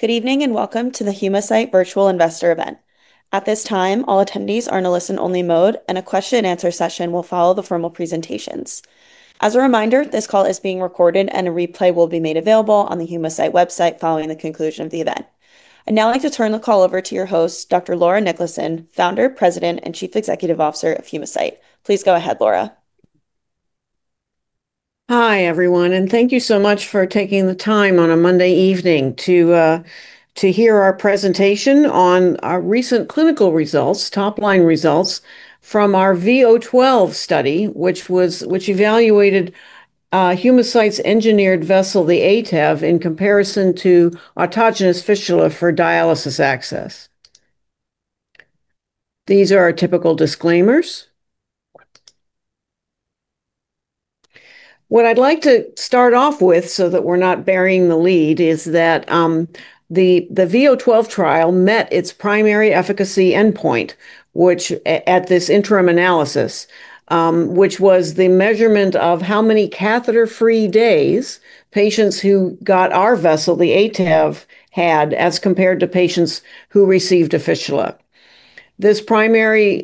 Good evening. Welcome to the Humacyte Virtual Investor event. At this time, all attendees are in a listen-only mode. A question and answer session will follow the formal presentations. As a reminder, this call is being recorded. A replay will be made available on the Humacyte website following the conclusion of the event. I'd now like to turn the call over to your host, Dr. Laura Niklason, Founder, President, and Chief Executive Officer of Humacyte. Please go ahead, Laura. Hi, everyone. Thank you so much for taking the time on a Monday evening to hear our presentation on our recent clinical results, top-line results, from our V012 study, which evaluated Humacyte's engineered vessel, the ATEV, in comparison to autogenous fistula for dialysis access. These are our typical disclaimers. What I'd like to start off with so that we're not burying the lead is that the V012 trial met its primary efficacy endpoint, which at this interim analysis, which was the measurement of how many catheter-free days patients who got our vessel, the ATEV, had as compared to patients who received a fistula. This interim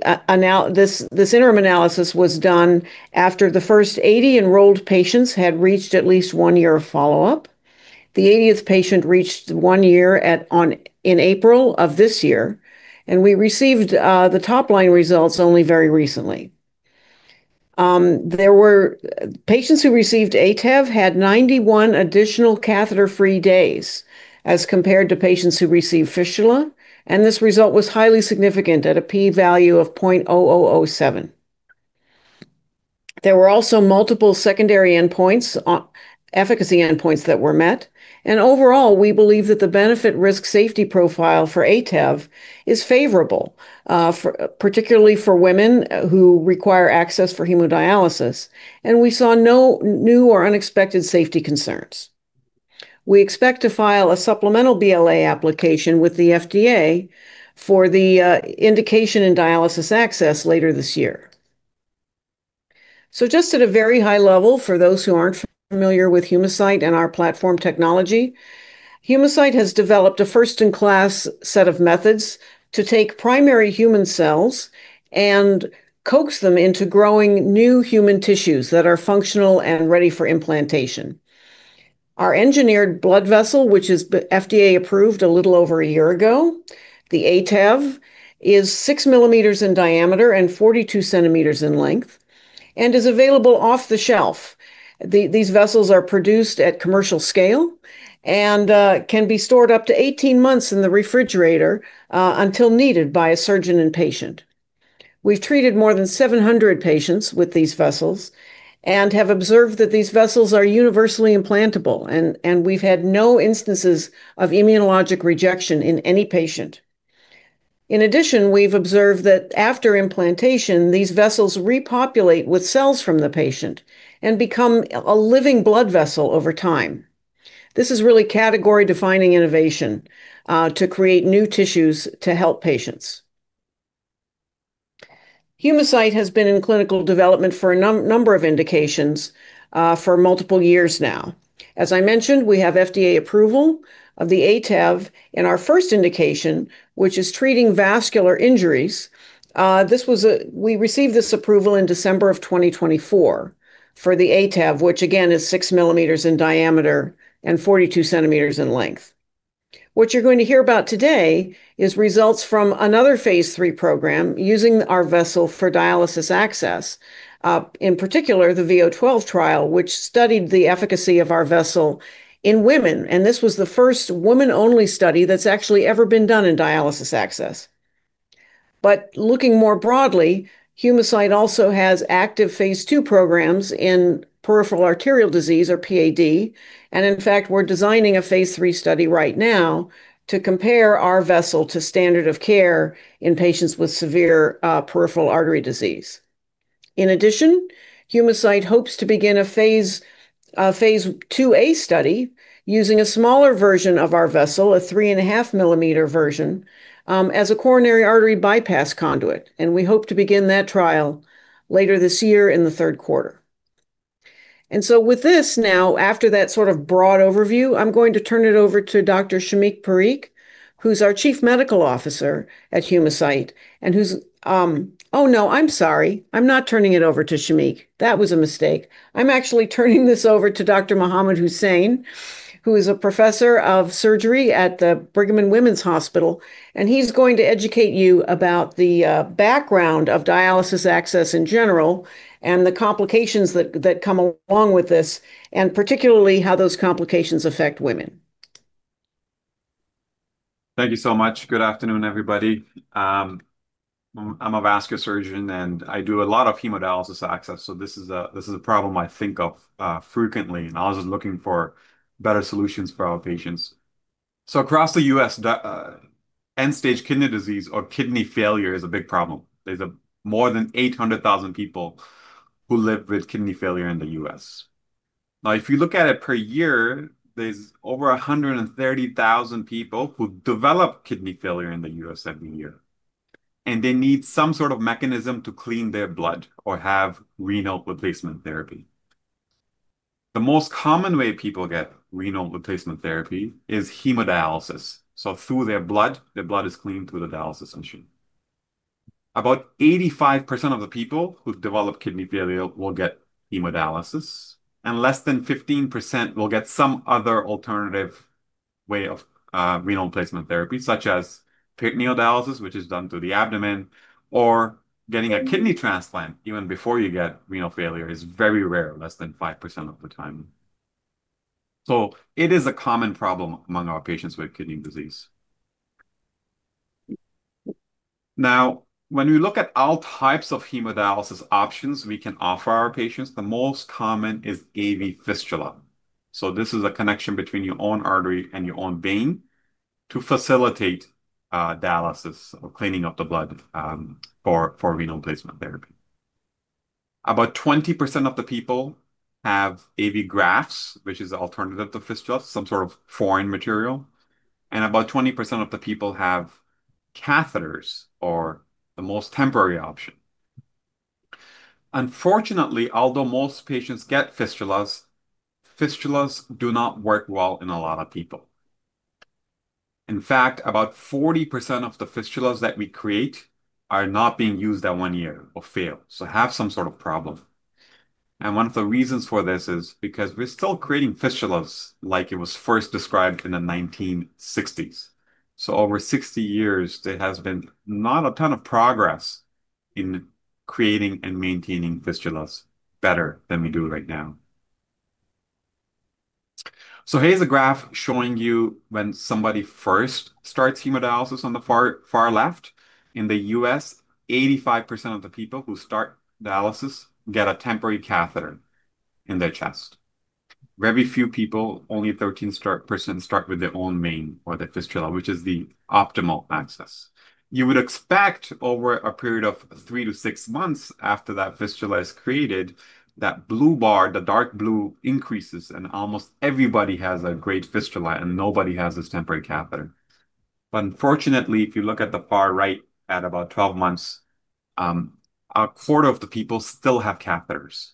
analysis was done after the first 80 enrolled patients had reached at least one year of follow-up. The 80th patient reached one year in April of this year. We received the top-line results only very recently. Patients who received ATEV had 91 additional catheter-free days as compared to patients who received fistula. This result was highly significant at a p-value of 0.0007. There were also multiple secondary efficacy endpoints that were met. Overall, we believe that the benefit-risk safety profile for ATEV is favorable, particularly for women who require access for hemodialysis. We saw no new or unexpected safety concerns. We expect to file a supplemental BLA application with the FDA for the indication in dialysis access later this year. Just at a very high level, for those who aren't familiar with Humacyte and our platform technology, Humacyte has developed a first-in-class set of methods to take primary human cells and coax them into growing new human tissues that are functional and ready for implantation. Our engineered blood vessel, which is FDA approved a little over a year ago, the ATEV, is six millimeters in diameter and 42 centimeters in length and is available off the shelf. These vessels are produced at commercial scale and can be stored up to 18 months in the refrigerator until needed by a surgeon and patient. We've treated more than 700 patients with these vessels and have observed that these vessels are universally implantable, and we've had no instances of immunologic rejection in any patient. In addition, we've observed that after implantation, these vessels repopulate with cells from the patient and become a living blood vessel over time. This is really category-defining innovation to create new tissues to help patients. Humacyte has been in clinical development for a number of indications for multiple years now. As I mentioned, we have FDA approval of the ATEV in our first indication, which is treating vascular injuries. We received this approval in December 2024 for the ATEV, which again, is 6 millimeters in diameter and 42 centimeters in length. What you're going to hear about today is results from another phase III program using our vessel for dialysis access. In particular, the V012 trial, which studied the efficacy of our vessel in women, and this was the first woman-only study that's actually ever been done in dialysis access. Looking more broadly, Humacyte also has active phase II programs in peripheral arterial disease, or PAD, and in fact, we're designing a phase III study right now to compare our vessel to standard of care in patients with severe peripheral arterial disease. In addition, Humacyte hopes to begin a phase lla study using a smaller version of our vessel, a 3.5-millimeter version, as a coronary artery bypass conduit, and we hope to begin that trial later this year in the third quarter. With this now, after that sort of broad overview, I'm going to turn it over to Dr. Shamik Parikh, who's our Chief Medical Officer at Humacyte. Oh, no, I'm sorry. I'm not turning it over to Shamik. That was a mistake. I'm actually turning this over to Dr. Mohamad Hussain, who is an Associate Professor of Surgery at Brigham and Women's Hospital, and he's going to educate you about the background of dialysis access in general and the complications that come along with this, and particularly how those complications affect women. Thank you so much. Good afternoon, everybody. I'm a vascular surgeon, and I do a lot of hemodialysis access, so this is a problem I think of frequently, and I was looking for better solutions for our patients. Across the U.S., end-stage kidney disease or kidney failure is a big problem. There's more than 800,000 people who live with kidney failure in the U.S. If you look at it per year, there's over 130,000 people who develop kidney failure in the U.S. every year, and they need some sort of mechanism to clean their blood or have renal replacement therapy. The most common way people get renal replacement therapy is hemodialysis. Through their blood, their blood is cleaned through the dialysis machine. About 85% of the people who develop kidney failure will get hemodialysis, and less than 15% will get some other alternative way of renal replacement therapy, such as peritoneal dialysis, which is done through the abdomen, or getting a kidney transplant even before you get renal failure is very rare, less than 5% of the time. It is a common problem among our patients with kidney disease. When we look at all types of hemodialysis options we can offer our patients, the most common is AV fistula. This is a connection between your own artery and your own vein to facilitate dialysis or cleaning of the blood, for renal replacement therapy. About 20% of the people have AV grafts, which is an alternative to fistula, some sort of foreign material. About 20% of the people have catheters or the most temporary option. Unfortunately, although most patients get fistulas do not work well in a lot of people. In fact, about 40% of the fistulas that we create are not being used at one year or fail, so have some sort of problem. One of the reasons for this is because we're still creating fistulas like it was first described in the 1960s. Over 60 years, there has been not a ton of progress in creating and maintaining fistulas better than we do right now. Here's a graph showing you when somebody first starts hemodialysis on the far left. In the U.S., 85% of the people who start dialysis get a temporary catheter in their chest. Very few people, only 13% start with their own vein or their fistula, which is the optimal access. You would expect over a period of three to six months after that fistula is created, that blue bar, the dark blue, increases, and almost everybody has a great fistula, and nobody has this temporary catheter. Unfortunately, if you look at the far right, at about 12 months, a quarter of the people still have catheters,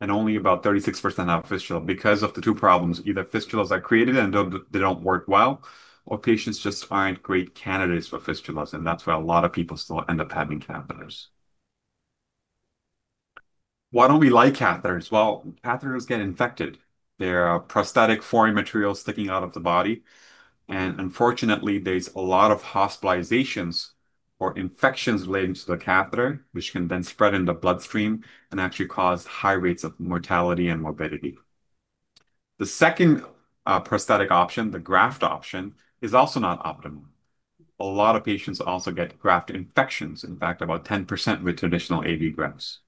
and only about 36% have fistula. Because of the two problems, either fistulas are created and they don't work well, or patients just aren't great candidates for fistulas, and that's why a lot of people still end up having catheters. Why don't we like catheters? Well, catheters get infected. They are a prosthetic foreign material sticking out of the body, and unfortunately, there's a lot of hospitalizations or infections related to the catheter, which can then spread in the bloodstream and actually cause high rates of mortality and morbidity. The second prosthetic option, the graft option, is also not optimal. A lot of patients also get graft infections, in fact, about 10% with traditional AV grafts.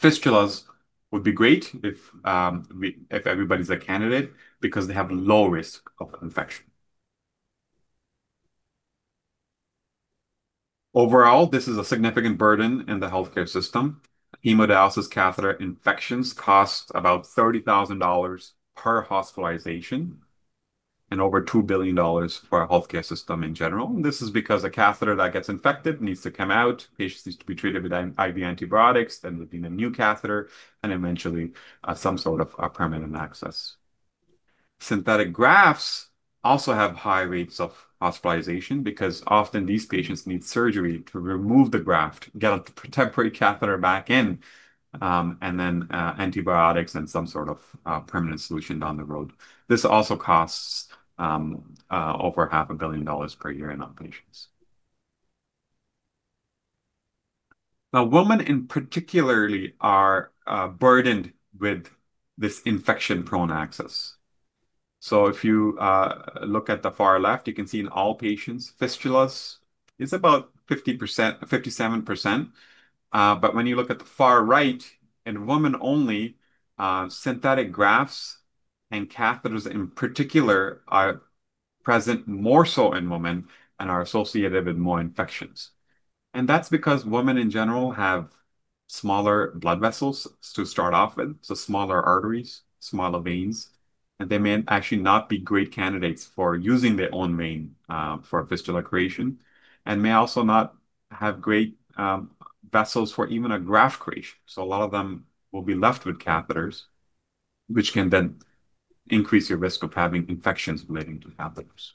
Fistulas would be great if everybody's a candidate because they have low risk of infection. Overall, this is a significant burden in the healthcare system. Hemodialysis catheter infections cost about $30,000 per hospitalization and over $2 billion for our healthcare system in general. This is because a catheter that gets infected needs to come out. Patients need to be treated with IV antibiotics, then they need a new catheter, and eventually, some sort of permanent access. Synthetic grafts also have high rates of hospitalization because often these patients need surgery to remove the graft, get a temporary catheter back in, and then antibiotics and some sort of permanent solution down the road. This also costs over $0.5 Billion dollars per year in our patients. Women in particularly are burdened with this infection-prone access. If you look at the far left, you can see in all patients, fistulas is about 57%. When you look at the far right, in women only, synthetic grafts and catheters in particular are present more so in women and are associated with more infections. That's because women in general have smaller blood vessels to start off with, so smaller arteries, smaller veins. They may actually not be great candidates for using their own vein for fistula creation, and may also not have great vessels for even a graft creation. A lot of them will be left with catheters, which can then increase your risk of having infections relating to catheters.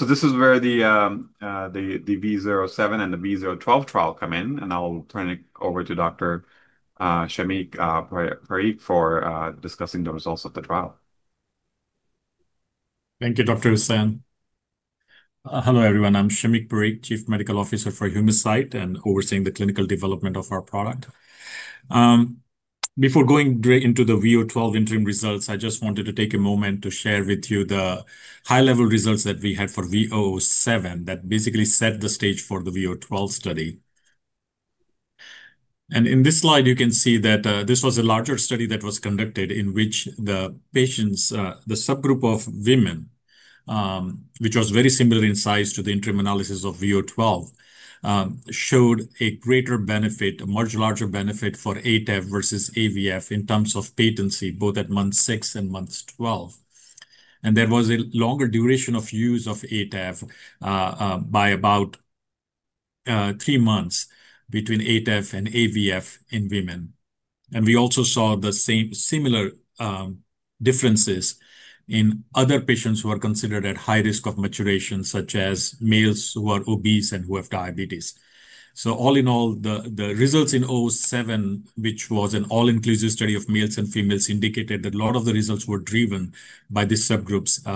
This is where the V007 and the V012 trial come in, and I'll turn it over to Dr. Shamik Parikh for discussing the results of the trial. Thank you, Dr. Hussain. Hello, everyone. I'm Shamik Parikh, Chief Medical Officer for Humacyte and overseeing the clinical development of our product. Before going into the V012 interim results, I just wanted to take a moment to share with you the high-level results that we had for V007 that basically set the stage for the V012 study. In this slide, you can see that this was a larger study that was conducted in which the patients, the subgroup of women, which was very similar in size to the interim analysis of V012, showed a greater benefit, a much larger benefit for ATEV versus AVF in terms of patency, both at month six and month 12. There was a longer duration of use of ATEV by about three months between ATEV and AVF in women. We also saw the similar differences in other patients who are considered at high risk of maturation, such as males who are obese and who have diabetes. All in all, the results in V007, which was an all-inclusive study of males and females, indicated that a lot of the results were driven by these subgroups,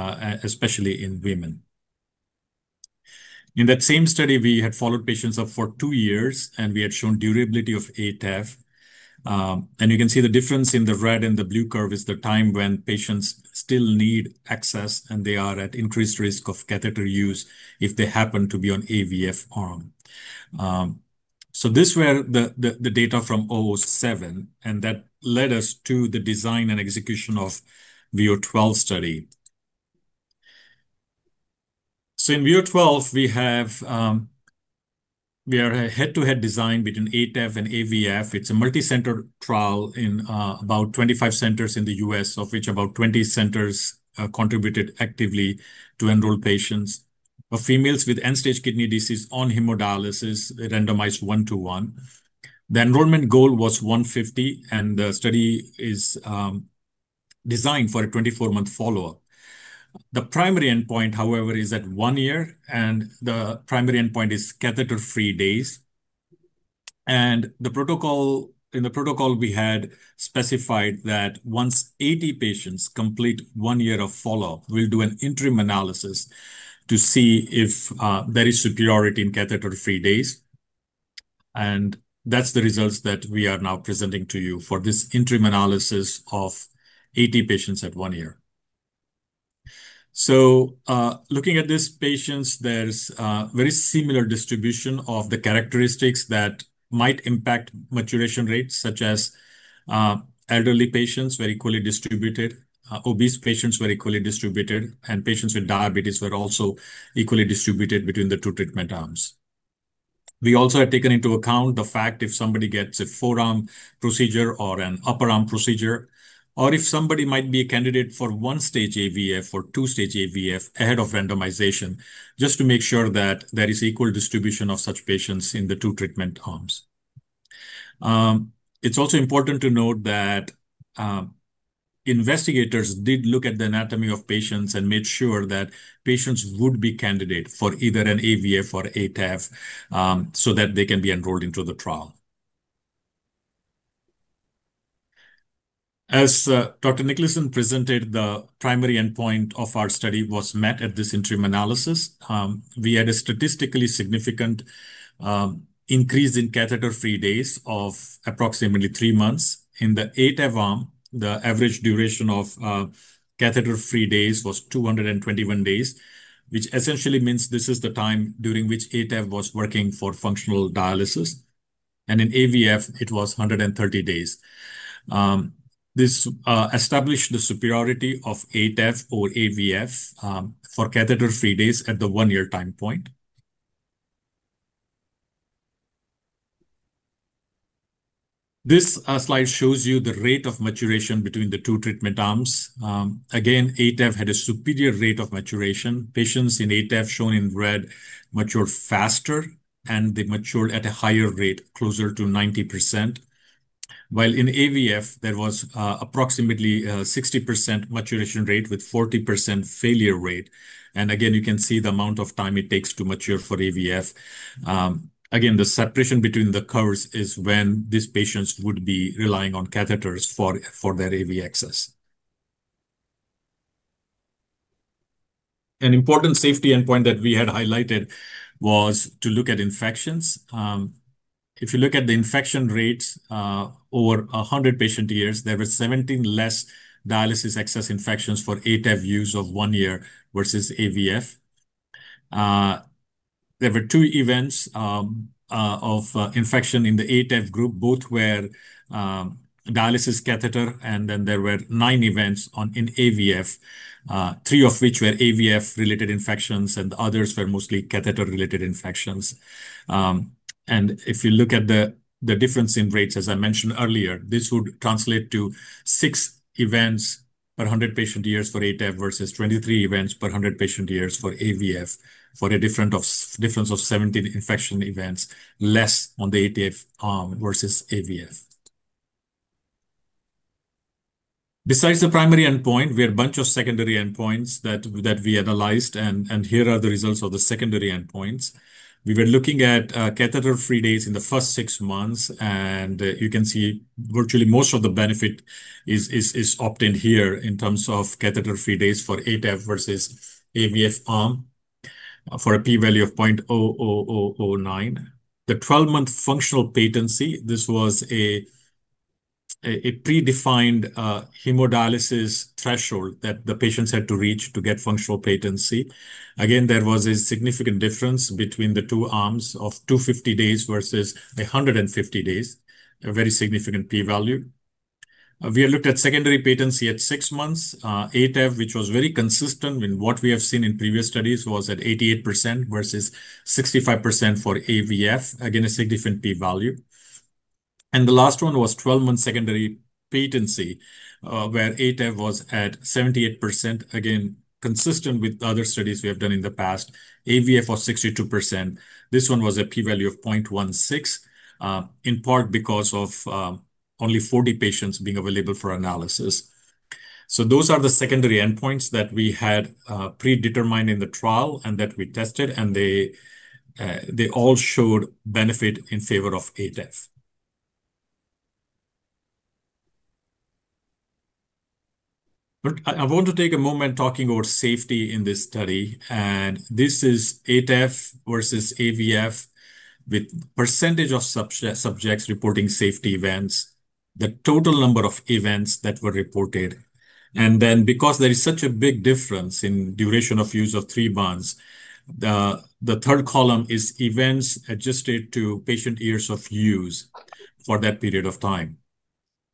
especially in women. In that same study, we had followed patients up for two years, and we had shown durability of ATEV. You can see the difference in the red and the blue curve is the time when patients still need access, and they are at increased risk of catheter use if they happen to be on AVF arm. These were the data from V007, and that led us to the design and execution of V012 study. In V012, we are a head-to-head design between ATEV and AVF. It's a multi-center trial in about 25 centers in the U.S., of which about 20 centers contributed actively to enroll patients. For females with end-stage kidney disease on hemodialysis, randomized 1-to-1. The enrollment goal was 150, and the study is designed for a 24-month follow-up. The primary endpoint, however, is at one year, and the primary endpoint is catheter-free days. In the protocol we had specified that once 80 patients complete one year of follow-up, we'll do an interim analysis to see if there is superiority in catheter-free days. That's the results that we are now presenting to you for this interim analysis of 80 patients at one year. Looking at these patients, there's very similar distribution of the characteristics that might impact maturation rates, such as elderly patients, very equally distributed, obese patients, very equally distributed, and patients with diabetes were also equally distributed between the two treatment arms. We also have taken into account the fact if somebody gets a forearm procedure or an upper arm procedure, or if somebody might be a candidate for one-stage AVF or two-stage AVF ahead of randomization, just to make sure that there is equal distribution of such patients in the two treatment arms. It's also important to note that investigators did look at the anatomy of patients and made sure that patients would be candidate for either an AVF or ATEV, so that they can be enrolled into the trial. As Dr. Niklason presented, the primary endpoint of our study was met at this interim analysis. We had a statistically significant increase in catheter-free days of approximately three months. In the ATEV arm, the average duration of catheter-free days was 221 days, which essentially means this is the time during which ATEV was working for functional dialysis, and in AVF, it was 130 days. This established the superiority of ATEV or AVF for catheter-free days at the one-year time point. This slide shows you the rate of maturation between the two treatment arms. Again, ATEV had a superior rate of maturation. Patients in ATEV, shown in red, matured faster, and they matured at a higher rate, closer to 90%, while in AVF, there was approximately a 60% maturation rate with 40% failure rate. Again, you can see the amount of time it takes to mature for AVF. Again, the separation between the curves is when these patients would be relying on catheters for their AV access. An important safety endpoint that we had highlighted was to look at infections. If you look at the infection rates over 100 patient-years, there were 17 less dialysis access infections for ATEV use of one year versus AVF. There were two events of infection in the ATEV group, both were dialysis catheter, and then there were nine events in AVF, three of which were AVF-related infections, and the others were mostly catheter-related infections. If you look at the difference in rates, as I mentioned earlier, this would translate to six events per 100 patient-years for ATEV, versus 23 events per 100 patient-years for AVF, for a difference of 17 infection events, less on the ATEV arm versus AVF. Besides the primary endpoint, we had bunch of secondary endpoints that we analyzed. Here are the results of the secondary endpoints. We were looking at catheter-free days in the first six months, and you can see virtually most of the benefit is obtained here in terms of catheter-free days for ATEV versus AVF arm for a P value of 0.0009. The 12-month functional patency, this was a predefined hemodialysis threshold that the patients had to reach to get functional patency. Again, there was a significant difference between the two arms of 250 days versus 150 days. A very significant P value. We looked at secondary patency at six months. ATEV, which was very consistent with what we have seen in previous studies, was at 88% versus 65% for AVF. Again, a significant P value. The last one was 12-month secondary patency, where ATEV was at 78%, again, consistent with other studies we have done in the past. AVF was 62%. This one was a p-value of 0.16, in part because of only 40 patients being available for analysis. Those are the secondary endpoints that we had predetermined in the trial and that we tested, and they all showed benefit in favor of ATEV. I want to take a moment talking about safety in this study, and this is ATEV versus AVF with percentage of subjects reporting safety events, the total number of events that were reported, and then because there is such a big difference in duration of use of three months, the third column is events adjusted to patient years of use for that period of time.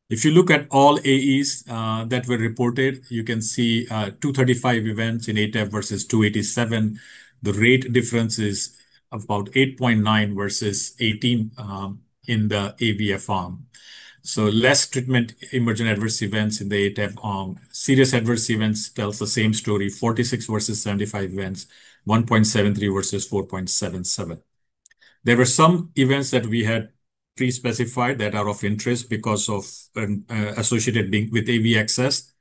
If you look at all AEs that were reported, you can see 235 events in ATEV versus 287. The rate difference is about 8.9 versus 18 in the AVF arm. Less treatment emergent adverse events in the ATEV arm. Serious adverse events tells the same story, 46 versus 75 events, 1.73 versus 4.77. There were some events that we had pre-specified that are of interest because of associated being with AV access.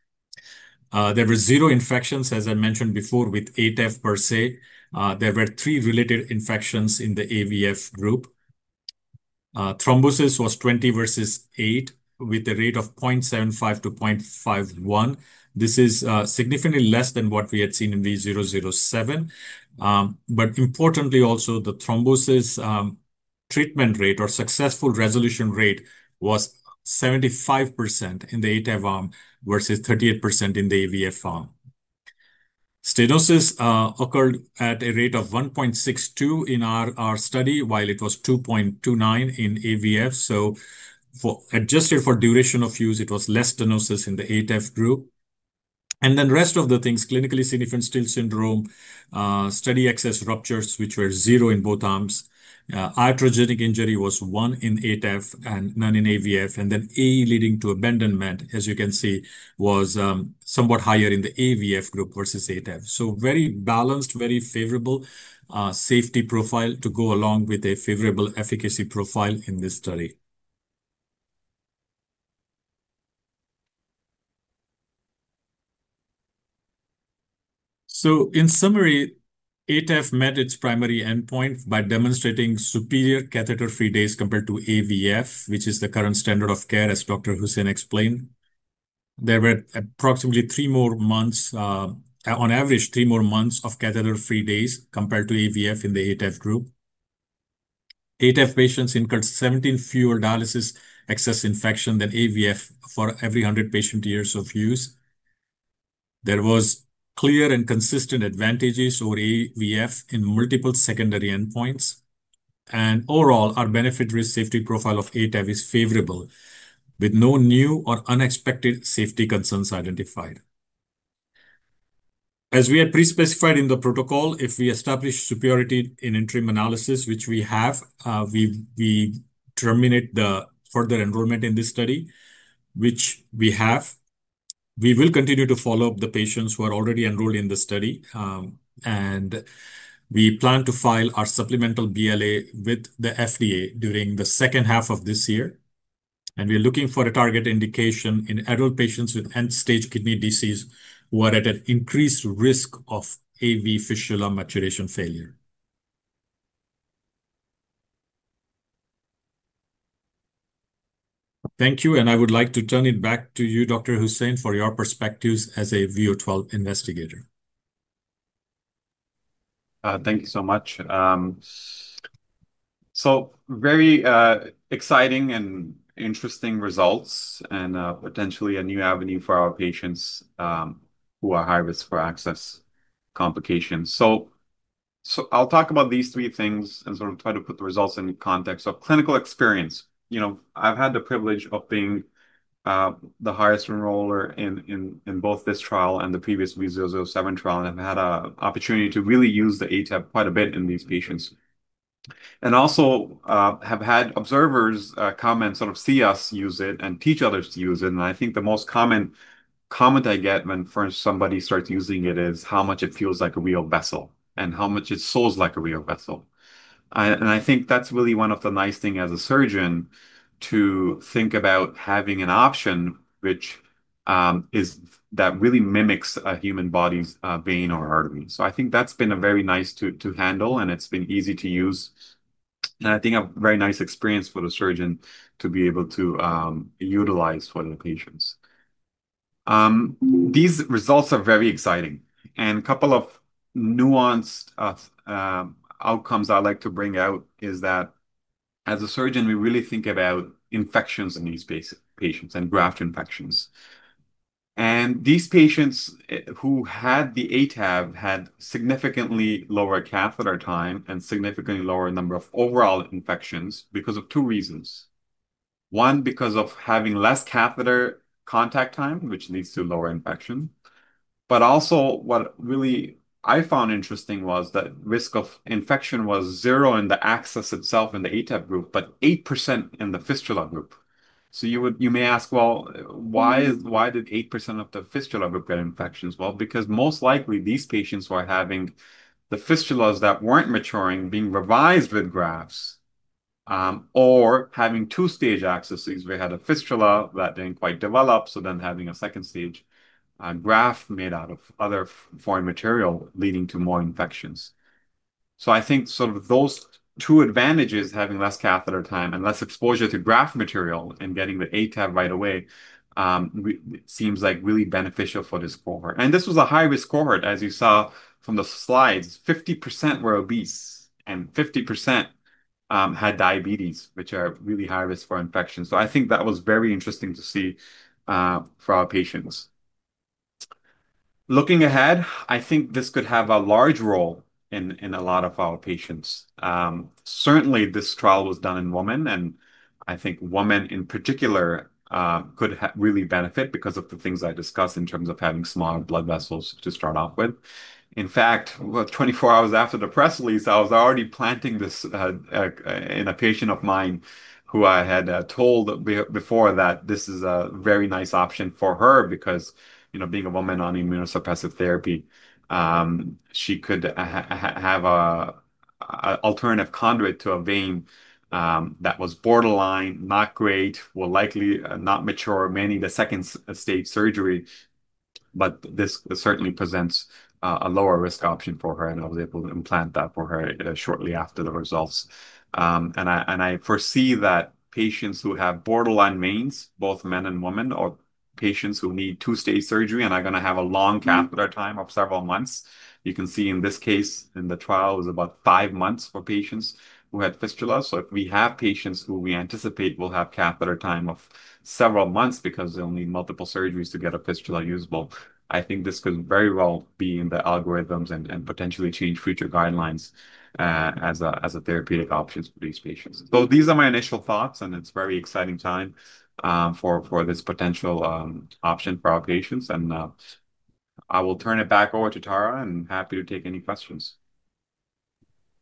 There were zero infections, as I mentioned before, with ATEV per se. There were three related infections in the AVF group. Thrombosis was 20 versus eight with a rate of 0.75 to 0.51. This is significantly less than what we had seen in V007. Importantly also, the thrombosis treatment rate or successful resolution rate was 75% in the ATEV arm versus 38% in the AVF arm. Stenosis occurred at a rate of 1.62 in our study, while it was 2.29 in AVF. Adjusted for duration of use, it was less stenosis in the ATEV group. The rest of the things, clinically significant steal syndrome, study access ruptures, which were zero in both arms. Iatrogenic injury was one in ATEV and none in AVF, and then AE leading to abandonment, as you can see, was somewhat higher in the AVF group versus ATEV. Very balanced, very favorable safety profile to go along with a favorable efficacy profile in this study. In summary, ATEV met its primary endpoint by demonstrating superior catheter-free days compared to AVF, which is the current standard of care, as Dr. Hussain explained. There were approximately three more months, on average, three more months of catheter-free days compared to AVF in the ATEV group. ATEV patients incurred 17 fewer dialysis access infection than AVF for every 100 patient years of use. There was clear and consistent advantages over AVF in multiple secondary endpoints. Overall, our benefit-risk safety profile of ATEV is favorable, with no new or unexpected safety concerns identified. As we had pre-specified in the protocol, if we establish superiority in interim analysis, which we have, we terminate the further enrollment in this study, which we have. We will continue to follow up the patients who are already enrolled in the study. We plan to file our supplemental BLA with the FDA during the second half of this year, and we're looking for a target indication in adult patients with end-stage kidney disease who are at an increased risk of AV fistula maturation failure. Thank you, I would like to turn it back to you, Dr. Hussain, for your perspectives as a V012 investigator. Thank you so much. Very exciting and interesting results, potentially a new avenue for our patients who are high risk for access complications. I'll talk about these three things and sort of try to put the results in context. Clinical experience. I've had the privilege of being the highest enroller in both this trial and the previous V007 trial and have had an opportunity to really use the ATEV quite a bit in these patients. Also have had observers come and sort of see us use it and teach others to use it, I think the most common comment I get when first somebody starts using it is how much it feels like a real vessel and how much it sews like a real vessel. I think that's really one of the nice things as a surgeon to think about having an option that really mimics a human body's vein or artery. I think that's been a very nice to handle, it's been easy to use, I think a very nice experience for the surgeon to be able to utilize for the patients. These results are very exciting. Couple of nuanced outcomes I like to bring out is that as a surgeon, we really think about infections in these patients and graft infections. These patients who had the ATEV had significantly lower catheter time and significantly lower number of overall infections because of two reasons. One, because of having less catheter contact time, which leads to lower infection. Also what really I found interesting was that risk of infection was zero in the access itself in the ATEV group, but 8% in the fistula group. You may ask, well, why did 8% of the fistula group get infections? Well, because most likely these patients were having the fistulas that weren't maturing, being revised with grafts or having 2-stage accesses. They had a fistula that didn't quite develop, having a second stage graft made out of other foreign material leading to more infections. I think sort of those two advantages, having less catheter time and less exposure to graft material and getting the ATEV right away, seems really beneficial for this cohort. This was a high-risk cohort, as you saw from the slides. 50% were obese, 50% had diabetes, which are really high risk for infection. I think that was very interesting to see for our patients. Looking ahead, I think this could have a large role in a lot of our patients. Certainly, this trial was done in women, and I think women in particular could really benefit because of the things I discussed in terms of having smaller blood vessels to start off with. In fact, about 24 hours after the press release, I was already planting this in a patient of mine who I had told before that this is a very nice option for her because being a woman on immunosuppressive therapy, she could have an alternative conduit to a vein that was borderline not great, will likely not mature, may need a stage 2 surgery. This certainly presents a lower risk option for her, and I was able to implant that for her shortly after the results. I foresee that patients who have borderline mains, both men and women, or patients who need stage 2 surgery and are going to have a long catheter time of several months. You can see in this case, in the trial, it was about five months for patients who had fistula. If we have patients who we anticipate will have catheter time of several months because they will need multiple surgeries to get a fistula usable, I think this could very well be in the algorithms and potentially change future guidelines as a therapeutic option for these patients. These are my initial thoughts, and it is a very exciting time for this potential option for our patients. I will turn it back over to Tara and happy to take any questions.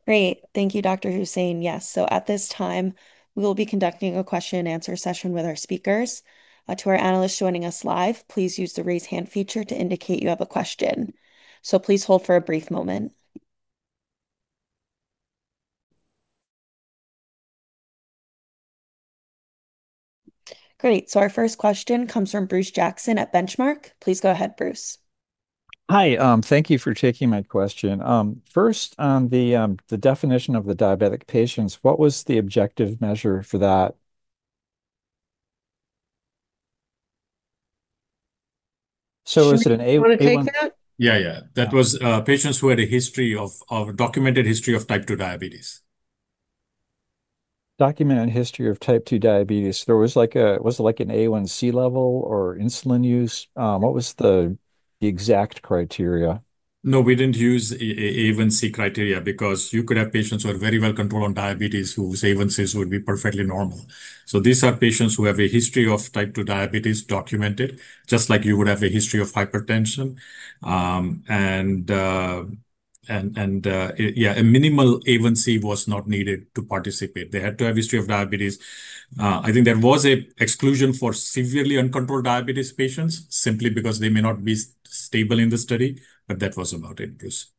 Great. Thank you, Dr. Hussain. Yes. At this time, we will be conducting a question and answer session with our speakers. To our analysts joining us live, please use the raise hand feature to indicate you have a question. Please hold for a brief moment. Great. Our first question comes from Bruce Jackson at Benchmark. Please go ahead, Bruce. Hi. Thank you for taking my question. First, the definition of the diabetic patients, what was the objective measure for that? Is it an A1C? Shamik, you want to take that? Yeah. That was patients who had a documented history of type 2 diabetes. Documented history of type 2 diabetes. Was it like an A1C level or insulin use? What was the exact criteria? No, we didn't use A1C criteria because you could have patients who are very well controlled on diabetes whose A1Cs would be perfectly normal. These are patients who have a history of type 2 diabetes documented, just like you would have a history of hypertension. Minimal A1C was not needed to participate. They had to have history of diabetes. I think there was a exclusion for severely uncontrolled diabetes patients simply because they may not be stable in the study, but that was about it, Bruce.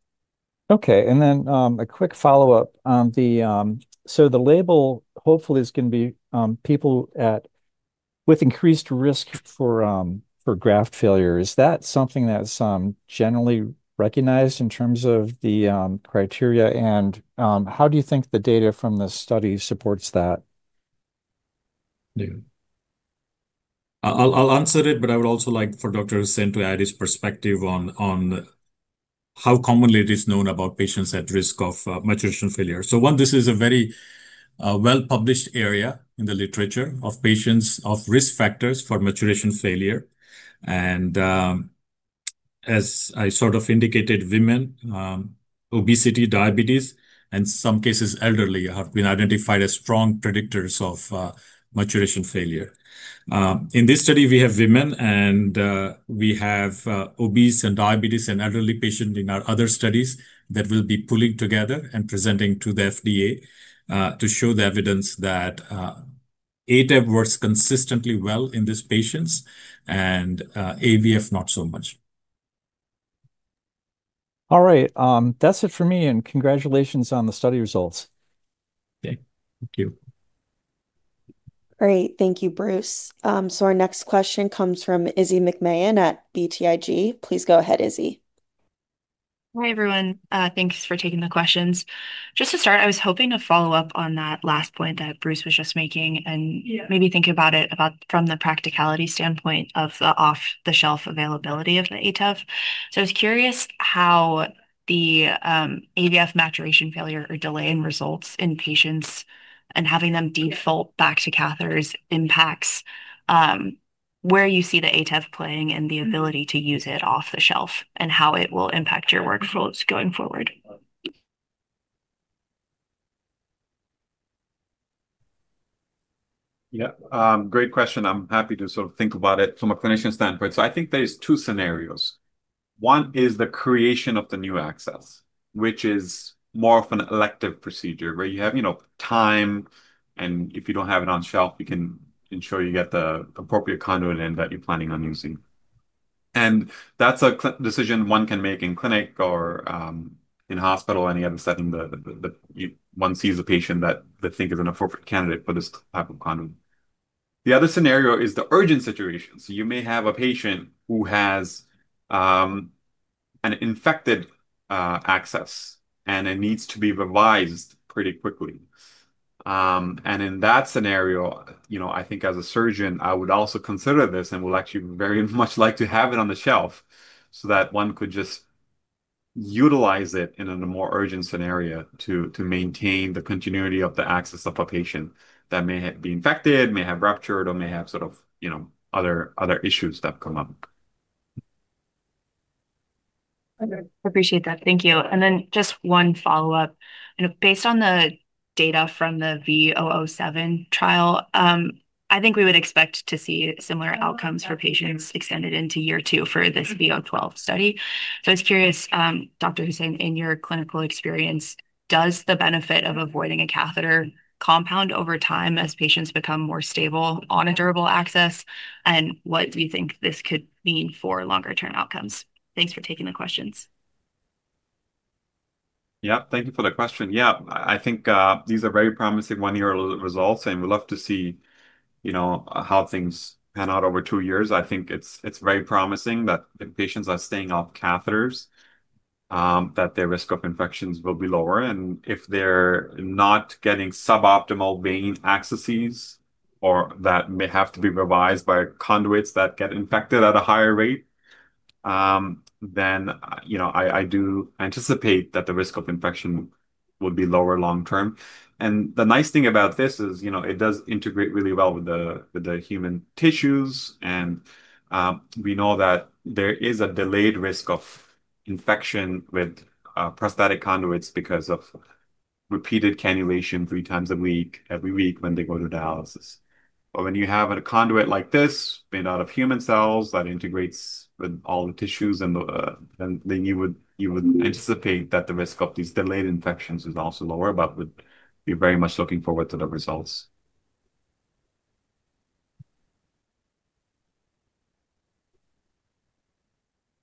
Okay. A quick follow-up. The label hopefully is going to be people with increased risk for graft failure. Is that something that's generally recognized in terms of the criteria? How do you think the data from the study supports that? Yeah. I'll answer it, but I would also like for Dr. Hussain to add his perspective on how commonly it is known about patients at risk of maturation failure. One, this is a very well-published area in the literature of patients of risk factors for maturation failure. As I sort of indicated, women, obesity, diabetes, and some cases elderly have been identified as strong predictors of maturation failure. In this study, we have women and we have obese and diabetes and elderly patient in our other studies that we'll be pulling together and presenting to the FDA to show the evidence that ATEV works consistently well in these patients and AVF not so much. All right. That's it for me and congratulations on the study results. Okay. Thank you. Great. Thank you, Bruce. Our next question comes from Izzy McMahon at BTIG. Please go ahead, Izzy. Hi, everyone. Thanks for taking the questions. Just to start, I was hoping to follow up on that last point that Bruce was just making. Yeah Maybe think about it from the practicality standpoint of the ATEV. I was curious how the AVF maturation failure or delay in results in patients and having them default back to catheters impacts where you see the ATEV playing and the ability to use it off the shelf and how it will impact your workflows going forward. Yeah. Great question. I'm happy to think about it from a clinician standpoint. I think there's two scenarios. One is the creation of the new access, which is more of an elective procedure where you have time, and if you don't have it on shelf, you can ensure you get the appropriate conduit end that you're planning on using. That's a decision one can make in clinic or in hospital, any other setting that one sees a patient that they think is an appropriate candidate for this type of conduit. The other scenario is the urgent situation. You may have a patient who has an infected access, and it needs to be revised pretty quickly. In that scenario, I think as a surgeon, I would also consider this and would actually very much like to have it on the shelf so that one could just utilize it in a more urgent scenario to maintain the continuity of the access of a patient that may have been infected, may have ruptured, or may have other issues that come up. Okay. Appreciate that. Thank you. Then just one follow-up. Based on the data from the V007 trial, I think we would expect to see similar outcomes for patients extended into year two for this V012 study. I was curious, Dr. Hussain, in your clinical experience, does the benefit of avoiding a catheter compound over time as patients become more stable on a durable access? What do you think this could mean for longer-term outcomes? Thanks for taking the questions. Thank you for the question. I think these are very promising one-year results, we'd love to see how things pan out over two years. I think it's very promising that the patients are staying off catheters, that their risk of infections will be lower. If they're not getting suboptimal vein accesses or that may have to be revised by conduits that get infected at a higher rate, I do anticipate that the risk of infection would be lower long term. The nice thing about this is it does integrate really well with the human tissues. We know that there is a delayed risk of infection with prosthetic conduits because of repeated cannulation three times a week, every week when they go to dialysis. When you have a conduit like this made out of human cells that integrates with all the tissues you would anticipate that the risk of these delayed infections is also lower, would be very much looking forward to the results.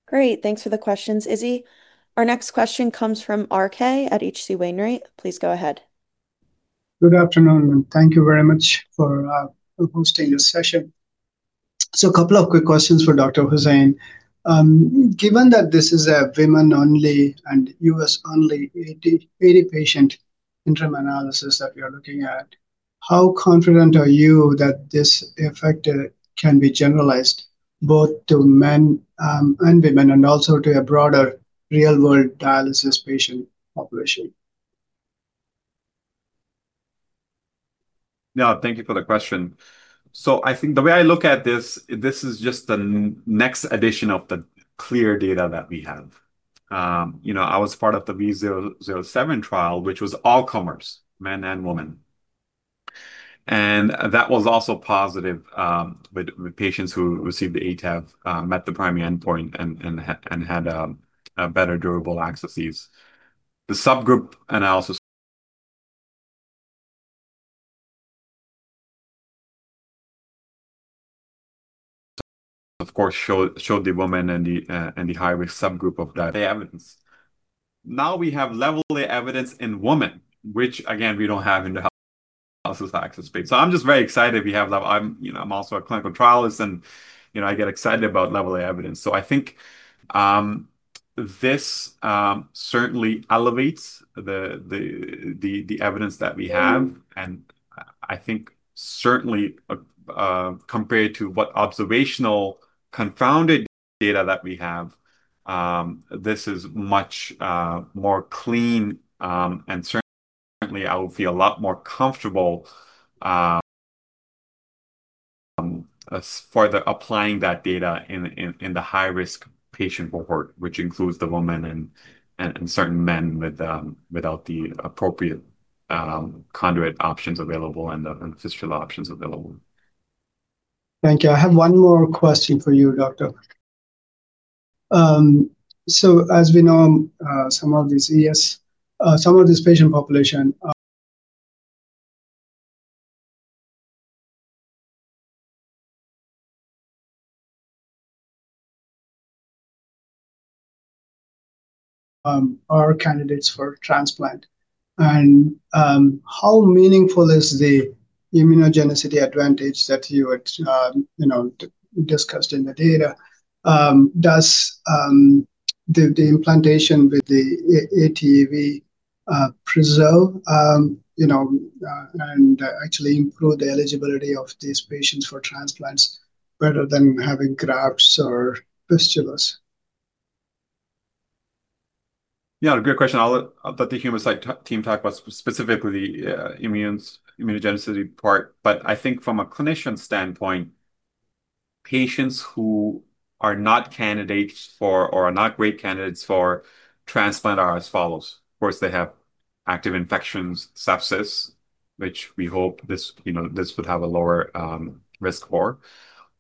Great. Thanks for the questions, Izzy. Our next question comes from RK at H.C. Wainwright. Please go ahead. Good afternoon, and thank you very much for hosting this session. Couple of quick questions for Dr. Hussain. Given that this is a women only and U.S. only 80 patient interim analysis that we are looking at, how confident are you that this effect can be generalized both to men and women and also to a broader real-world dialysis patient population? Yeah. Thank you for the question. I think the way I look at this is just the next addition of the clear data that we have. I was part of the V007 trial, which was all comers, men and women. That was also positive with patients who received the ATEV, met the primary endpoint and had better durable accesses. The subgroup analysis of course showed the women and the high-risk subgroup of that evidence. Now we have level A evidence in women, which again, we don't have in the AV access space. I'm just very excited we have that. I'm also a clinical trialist, and I get excited about level A evidence. I think this certainly elevates the evidence that we have, and I think certainly, compared to what observational confounded data that we have, this is much more clean. Certainly, I would feel a lot more comfortable as further applying that data in the high-risk patient cohort, which includes the women and certain men without the appropriate conduit options available and the fistula options available. Thank you. I have one more question for you, doctor. As we know, some of this patient population are candidates for transplant. How meaningful is the immunogenicity advantage that you had discussed in the data? Does the implantation with the ATEV preserve and actually improve the eligibility of these patients for transplants rather than having grafts or fistulas? Yeah. Good question. I'll let the Humacyte team talk about specifically immunogenicity part. I think from a clinician standpoint, patients who are not candidates for, or are not great candidates for transplant are as follows. Of course, they have active infections, sepsis, which we hope this would have a lower risk for.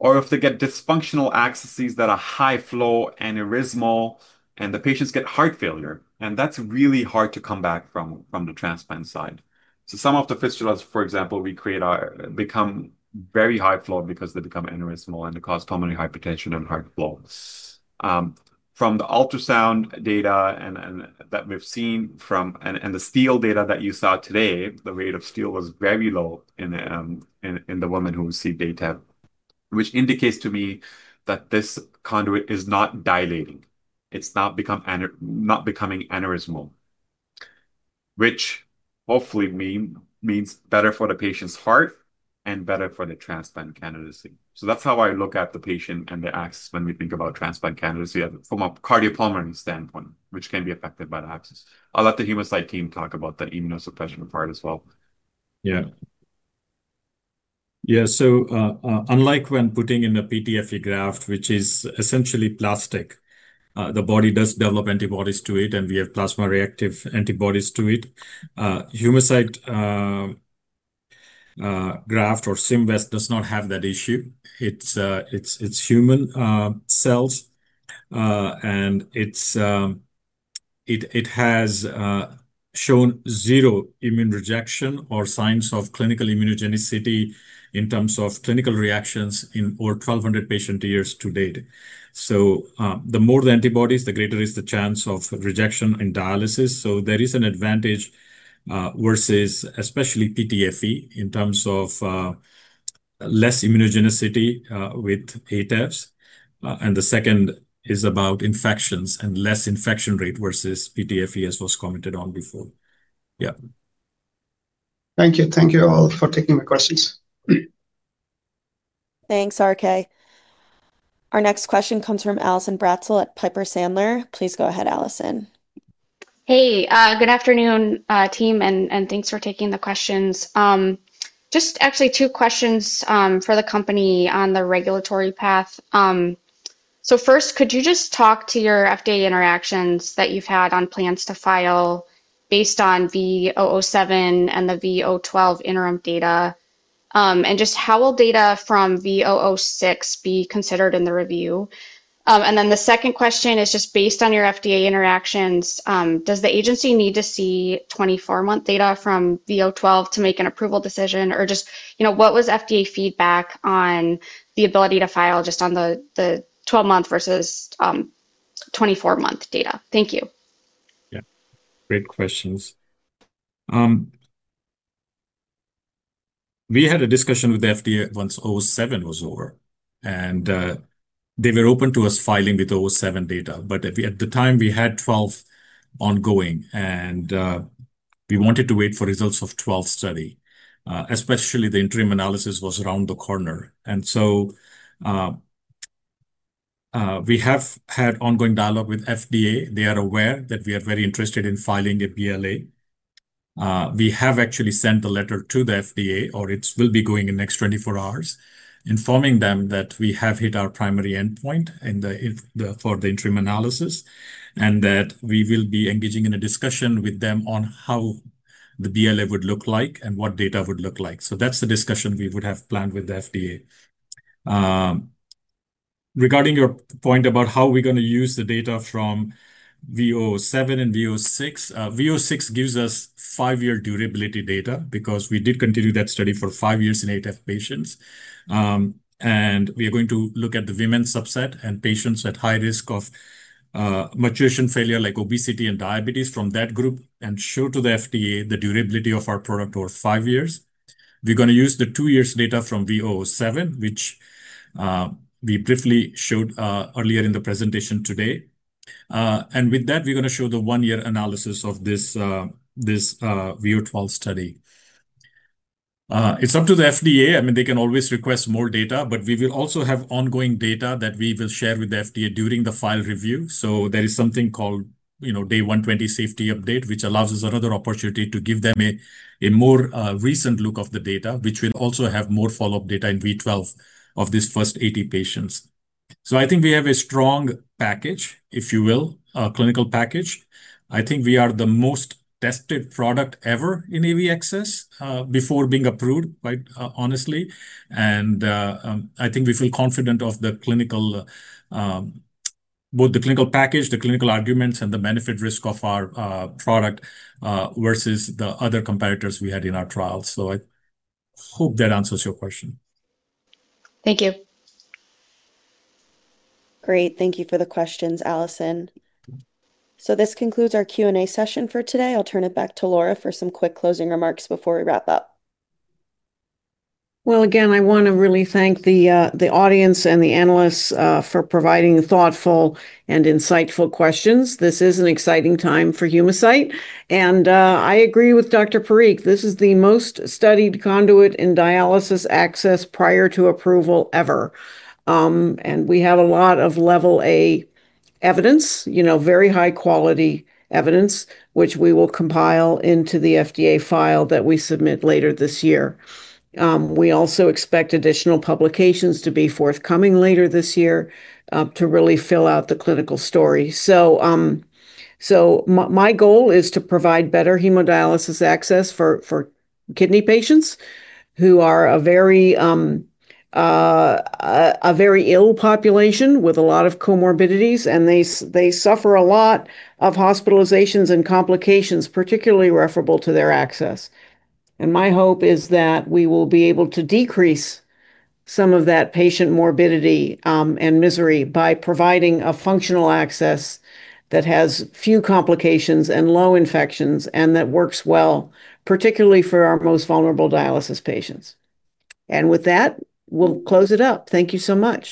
If they get dysfunctional accesses that are high flow aneurysmal and the patients get heart failure, and that's really hard to come back from the transplant side. Some of the fistulas, for example, we create become very high flow because they become aneurysmal and they cause pulmonary hypertension and heart blocks. From the ultrasound data that we've seen and the steal data that you saw today, the rate of steal was very low in the women who received data, which indicates to me that this conduit is not dilating. It's not becoming aneurysmal, which hopefully means better for the patient's heart and better for the transplant candidacy. That's how I look at the patient and the access when we think about transplant candidacy from a cardiopulmonary standpoint, which can be affected by the access. I'll let the Humacyte team talk about the immunosuppression part as well. Yeah. Unlike when putting in a PTFE graft, which is essentially plastic, the body does develop antibodies to it, and we have panel reactive antibodies to it. Humacyte graft or Symvess does not have that issue. It's human cells, and it has shown zero immune rejection or signs of clinical immunogenicity in terms of clinical reactions in over 1,200 patient years to date. The more the antibodies, the greater is the chance of rejection in dialysis. There is an advantage, versus especially PTFE, in terms of less immunogenicity, with ATEVs. The second is about infections and less infection rate versus PTFE, as was commented on before. Yeah. Thank you. Thank you all for taking my questions. Thanks, RK. Our next question comes from Allison Bratzel at Piper Sandler. Please go ahead, Allison. Hey, good afternoon, team, and thanks for taking the questions. Just actually two questions for the company on the regulatory path. First, could you just talk to your FDA interactions that you've had on plans to file based on V007 and the V012 interim data? Just how will data from V006 be considered in the review? The second question is just based on your FDA interactions, does the agency need to see 24-month data from V012 to make an approval decision? Just what was FDA feedback on the ability to file just on the 12-month versus 24-month data? Thank you. Great questions. We had a discussion with the FDA once V007 was over, they were open to us filing with V007 data. At the time, we had V012 ongoing, we wanted to wait for results of V012 study, especially the interim analysis was around the corner. We have had ongoing dialogue with FDA. They are aware that we are very interested in filing a BLA. We have actually sent a letter to the FDA, it will be going in next 24 hours, informing them that we have hit our primary endpoint for the interim analysis and that we will be engaging in a discussion with them on how the BLA would look like and what data would look like. That's the discussion we would have planned with the FDA. Regarding your point about how we're going to use the data from V007 and V006 gives us 5-year durability data because we did continue that study for five years in ATEV patients. We are going to look at the women subset and patients at high risk of maturation failure, like obesity and diabetes from that group, and show to the FDA the durability of our product over five years. We're going to use the two years data from V007, which we briefly showed earlier in the presentation today. With that, we're going to show the one-year analysis of this V012 study. It's up to the FDA. They can always request more data, but we will also have ongoing data that we will share with the FDA during the file review. There is something called 120-day safety update, which allows us another opportunity to give them a more recent look of the data, which will also have more follow-up data in V012 of these first 80 patients. I think we have a strong package, if you will, a clinical package. I think we are the most tested product ever in AV access before being approved, quite honestly. I think we feel confident of both the clinical package, the clinical arguments, and the benefit risk of our product versus the other competitors we had in our trial. I hope that answers your question. Thank you. Great. Thank you for the questions, Allison. This concludes our Q&A session for today. I'll turn it back to Laura for some quick closing remarks before we wrap up. Well, again, I want to really thank the audience and the analysts for providing thoughtful and insightful questions. This is an exciting time for Humacyte, and I agree with Dr. Parikh. This is the most studied conduit in dialysis access prior to approval ever. We have a lot of level A evidence, very high-quality evidence, which we will compile into the FDA file that we submit later this year. We also expect additional publications to be forthcoming later this year to really fill out the clinical story. My goal is to provide better hemodialysis access for kidney patients who are a very ill population with a lot of comorbidities, and they suffer a lot of hospitalizations and complications, particularly referable to their access. My hope is that we will be able to decrease some of that patient morbidity and misery by providing a functional access that has few complications and low infections and that works well, particularly for our most vulnerable dialysis patients. With that, we'll close it up. Thank you so much.